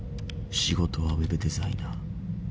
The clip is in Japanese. ［仕事はウェブデザイナー］